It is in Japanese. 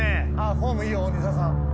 フォームいいよ鬼澤さん